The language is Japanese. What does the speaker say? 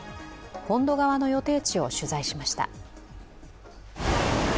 本土側の予定地を取材しました。